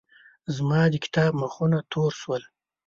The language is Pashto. زما د کتاب مخونه تور شول.